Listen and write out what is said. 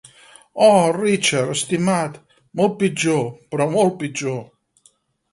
Oh, Richard, estimat, molt pitjor, però molt pitjor!